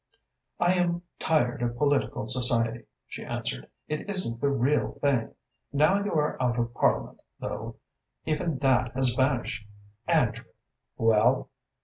"I am tired of political society," she answered. "It isn't the real thing. Now you are out of Parliament, though, even that has vanished. Andrew!" "Well?"